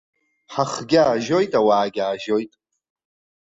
Ҳахгьы аажьоит, ауаагьы аажьоит!